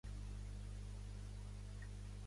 No els agrada la presència de la policia espanyola.